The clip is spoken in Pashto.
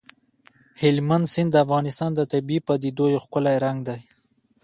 هلمند سیند د افغانستان د طبیعي پدیدو یو ښکلی رنګ دی.